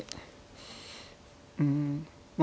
うんまあ